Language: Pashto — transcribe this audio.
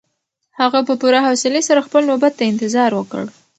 هغه په پوره حوصلي سره خپله نوبت ته انتظار وکړ.